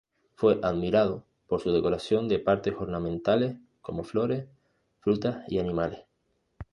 Fue admirado por su decoración de partes ornamentales, como flores, frutas y animales.